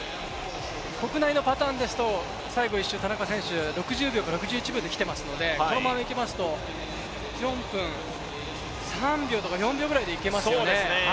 国内のパターンですと、最後、田中選手、６０秒か６１秒で来ていますので、４分３秒とか４秒ぐらいでいけますよね。